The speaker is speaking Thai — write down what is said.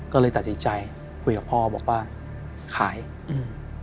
ก็เลยตัดสินใจคุยกับพ่อบอกว่าขายอืม